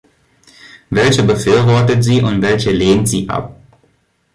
Welche befürwortet sie und welche lehnt sie ab?